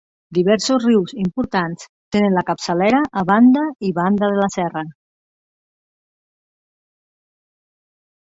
Diversos rius importants tenen la capçalera a banda i banda de la serra.